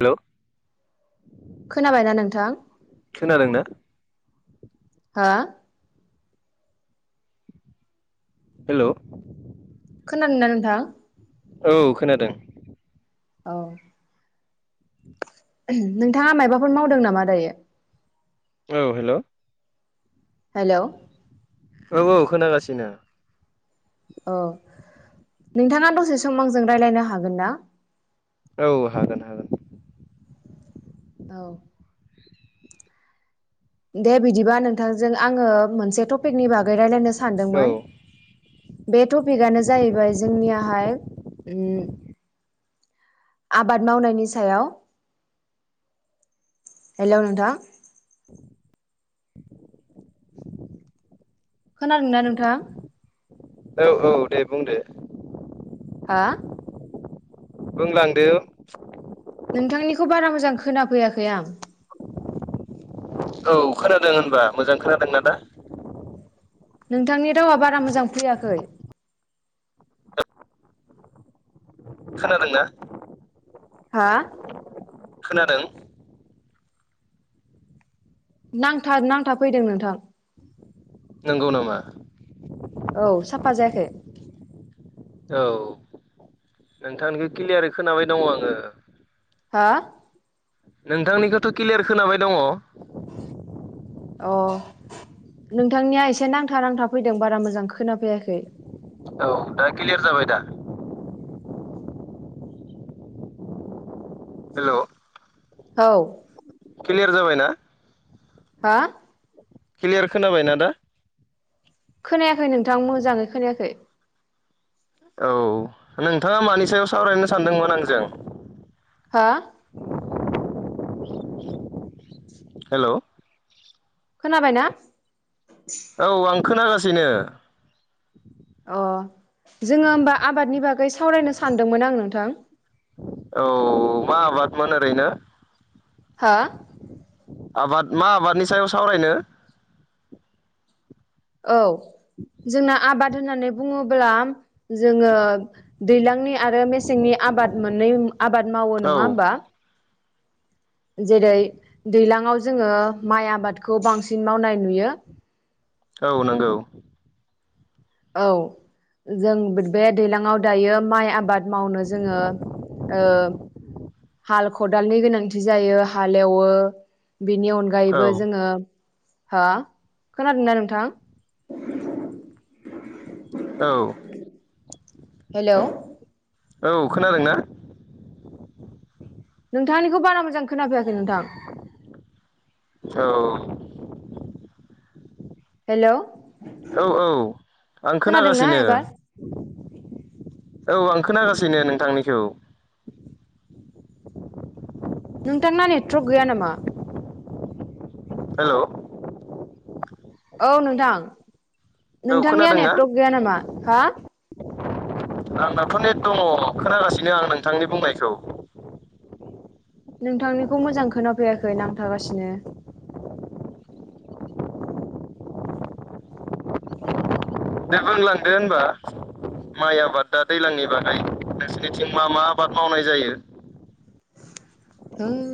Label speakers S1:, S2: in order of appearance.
S1: Hello
S2: खोनाबायना नोंथां?
S1: खोनादों ना?
S2: हो?
S1: हेलौ।
S2: खोनादोंना नोंथां?
S1: औ खोनादों।
S2: औ। [unintelligible] नोंथाङा मायबाफोर मावदों नामा दायो?
S1: औ हेलौ।
S2: हेलौ।
S1: औ औ खोनागासिनो।
S2: औ नोंथाङा दसे सम आंजों रायज्लायनो हागोन ना?
S1: औ हागोन हागोन।
S2: औ। दे बिदिबा नोंथांजों आङो मोनसे टपिकनि बागै रायलायनो
S1: औ
S2: सानदोंमोन। बे टपिकआनो जाहैबाय जोंनियाहाय उम आबाद मावनायनि सायाव हेल' नोंथां? खोनादोंना नोंथां?
S1: औ औ दे बुंदो।
S2: हा?
S1: बुंलांदो।
S2: नोंथांनिखौ बारा मोजां खोनाफैयाखै आं।
S1: औ खोनादों होनबा मोजां खोनादोंना दा?
S2: नोंथांनि रावा बारा मोजां फैयाखै।
S1: खोनादों ना?
S2: हा?
S1: खोनादों?
S2: नांथा नांथा फैदों नोंथां।
S1: नंगौ नामा?
S2: औ साफा जायाखै।
S1: औ नोंथांनिखौ क्लियारै खोनाबाय दङ' आङो।
S2: हो?
S1: नोंथांनिखौथ' क्लियार खोनाबाय दङ'।
S2: अ नोंथांनिया एसे नांथा नांथा फैदों बारा मोजां खोनाफैयाखै।
S1: औ दा क्लियार जाबाय दा? हेलौ।
S2: औ।
S1: क्लियार जाबायना?
S2: हा?
S1: क्लियार खोनाबाय ना दा?
S2: खोनायाखै नोंथां मोजाङै खोनायाखै।
S1: औ नोंथाङा मानि सायाव सावरायनो सानदोंमोन आंजों?
S2: हा?
S1: हेलौ।
S2: खोनाबाय ना?
S1: औ आं खोनागासिनो।
S2: अ जोङो होमबा आबादनि बागै सावरायनो सानदोंमोन आं नोंथां।
S1: औ मा आबादमोन ओरैनो?
S2: हो?
S1: आबाद मा आबादनि सायाव सावरायनो?
S2: औ जोंना आबाद होननानै बुङोब्ला जोङो दैज्लांनि आरो मेसेंनि आबाद मोननै आबाद मावो नङा
S1: औ
S2: होमबा? जेरै दैज्लाङाव जोङो माइ आबादखौ बांसिन मावनाय नुयो।
S1: औ नंगौ
S2: औ जों बे दैलाङाव दायो माइ आबाद मावनो जोङो ओ हाल खदालनि गोनांथि जायो हाल एवो बेनि अन
S1: औ
S2: अगायैबो जोङो हा खोनादोंनाा नोंथां?
S1: औ
S2: हेल'
S1: औ खोनादों ना?
S2: नोंथांनिखौ बारा मोजां खोनाफैयाखै नोंथां।
S1: औ
S2: हेलौ
S1: औ औ आं
S2: खोनादोंना
S1: खोनागासिनो।
S2: एबार
S1: औ आं खोनागासिनो नोंथांनिखौ।
S2: नोंथांना नेटवर्क गैया नामा?
S1: हेलौ
S2: औ नोंथां
S1: औ
S2: नोंथांनिया
S1: खोनादोंना
S2: नेटवर्क गैया नामा हा?
S1: आंनाथ' नेट दङ खोनागासिनो आं नोंथांनि बुंनायखौ।
S2: नोंथांनिखौ मोजां खोनाफैाखै नांथागासिनो।
S1: दे बुंलांदो होनबा माइ आबाद दा दैज्लांनि बागै नोंसिोरनिथिं मा मा आबाद मावनाय जायो?
S2: [unintelligible]